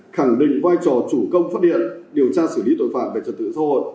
khẳng định vai trò chủ công phát điện điều tra xử lý tội phạm về trật tự xã hội